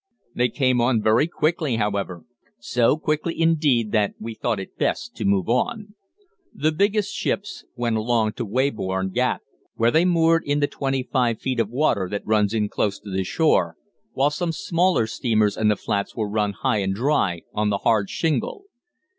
They came on very quickly, however so quickly, indeed, that we thought it best to move on. The biggest ships went along to Weybourne Gap, where they moored in the twenty five feet of water that runs in close to the shore, while some smaller steamers and the flats were run high and dry on the hard shingle.